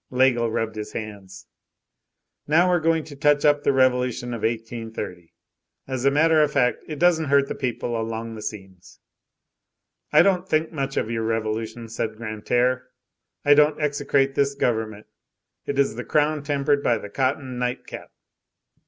Laigle rubbed his hands. "Now we're going to touch up the revolution of 1830. As a matter of fact, it does hurt the people along the seams." "I don't think much of your revolution," said Grantaire. "I don't execrate this Government. It is the crown tempered by the cotton night cap.